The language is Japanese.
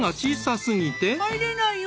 入れないよ！